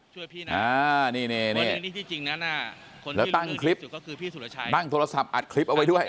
ช่วยพี่นะตังคลิปด้านโทรศัพท์อัดคลิปเอาไว้ด้วย